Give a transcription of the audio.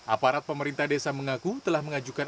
aparat pemerintah desa mengaku telah mengajukan